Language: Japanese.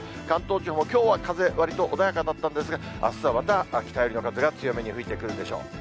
関東地方、きょうは風、わりと穏やかだったんですが、あすはまた、北寄りの風が強めに吹いてくるでしょう。